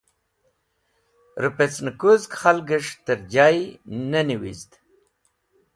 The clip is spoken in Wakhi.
Rẽpecnẽ kũzg khalgẽs̃h tẽr jay ne niwizd.